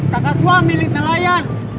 kakak tua milik nelayan